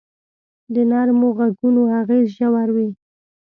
د نرمو ږغونو اغېز ژور وي.